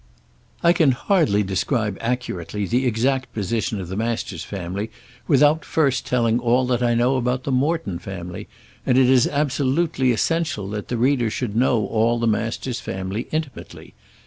I can hardly describe accurately the exact position of the Masters family without first telling all that I know about the Morton family; and it is absolutely essential that the reader should know all the Masters family intimately.